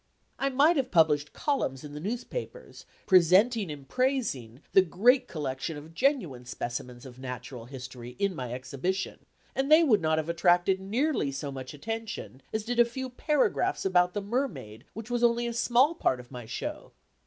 I might have published columns in the newspapers, presenting and praising the great collection of genuine specimens of natural history in my exhibition, and they would not have attracted nearly so much attention as did a few paragraphs about the mermaid which was only a small part of my show.